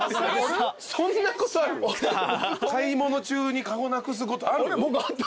買い物中にカゴなくすことある？